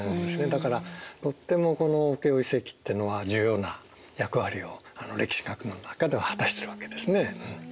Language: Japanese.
だからとってもこのオケオ遺跡ってのは重要な役割を歴史学の中では果たしているわけですね。